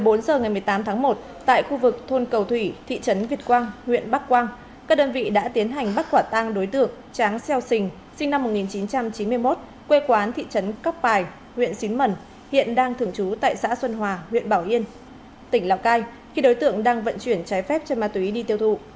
khoảng bốn giờ ngày một mươi tám tháng một tại khu vực thôn cầu thủy thị trấn việt quang huyện bắc quang các đơn vị đã tiến hành bắt quả tang đối tượng tráng xeo sình sinh năm một nghìn chín trăm chín mươi một quê quán thị trấn cóc pài huyện xín mần hiện đang thường trú tại xã xuân hòa huyện bảo yên tỉnh lào cai khi đối tượng đang vận chuyển trái phép chân ma túy đi tiêu thụ